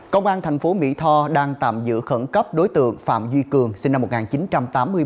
công an thành phố mỹ tho đang tạm giữ khẩn cấp đối tượng phạm duy cường sinh năm một nghìn chín trăm tám mươi bảy